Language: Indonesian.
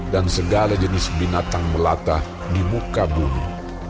dan segala jenis binatang melata di muka bumi